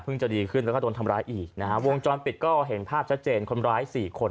จะดีขึ้นแล้วก็โดนทำร้ายอีกนะฮะวงจรปิดก็เห็นภาพชัดเจนคนร้ายสี่คน